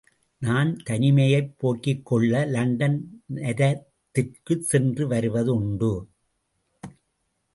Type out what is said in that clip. நான் தனிமையைப் போக்கிக்கொள்ள லண்டன் நரத்திற்குச் சென்று வருவது உண்டு.